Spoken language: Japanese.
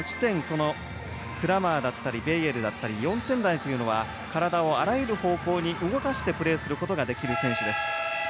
クラーマーだったりベイエルだったり４点台の選手というのは体をあらゆる方向に動かしてプレーできる選手です。